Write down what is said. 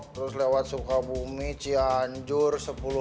terus lewat sukabumi cianjur